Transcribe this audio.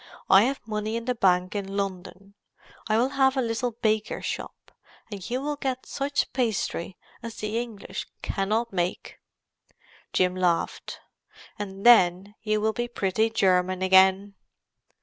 "I have money in the Bank in London: I will have a little baker shop, and you will get such pastry as the English cannot make." Jim laughed. "And then you will be pretty German again!"